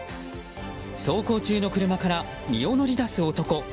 走行中の車から身を乗り出す男。